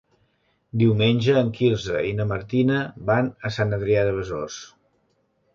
Diumenge en Quirze i na Martina van a Sant Adrià de Besòs.